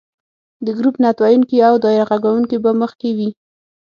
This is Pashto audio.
د ګروپ نعت ویونکي او دایره غږونکې به مخکې وي.